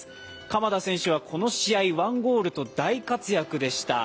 鎌田選手はこの試合、１ゴールと大活躍でした。